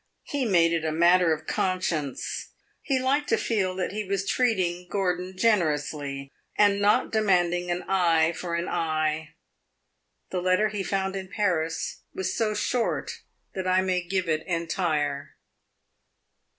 He made it a matter of conscience he liked to feel that he was treating Gordon generously, and not demanding an eye for an eye. The letter he found in Paris was so short that I may give it entire.